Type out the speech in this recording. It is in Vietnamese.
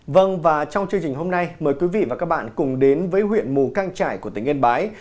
vâng và trong chương trình hôm nay mời quý vị và các bạn cùng đến với huyện mù căng trải của tỉnh yên bái